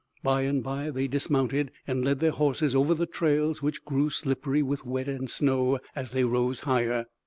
Bye and bye they dismounted and led their horses over the trails which grew slippery with wet and snow as they rose higher.